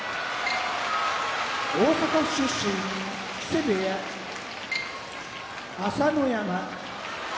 大阪府出身木瀬部屋朝乃山